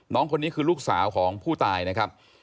น้องคนนี้คือลูกสาวของผู้ตายนะครับ